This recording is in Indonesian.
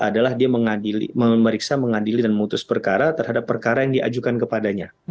adalah dia memeriksa mengadili dan memutus perkara terhadap perkara yang diajukan kepadanya